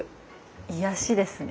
癒やしですね。